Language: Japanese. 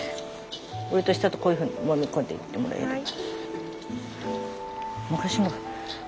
上と下とこういうふうにもみ込んでいってもらえれば。